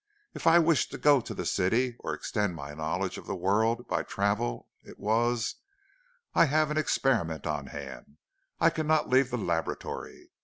If I wished to go to the city, or extend my knowledge of the world by travel, it was: 'I have an experiment on hand; I cannot leave the laboratory.'